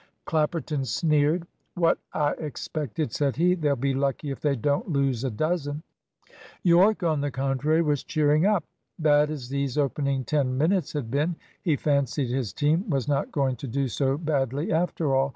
Clapperton sneered. "What I expected," said he. "They'll be lucky if they don't lose a dozen." Yorke, on the contrary, was cheering up. Bad as these opening ten minutes had been, he fancied his team was not going to do so badly after all.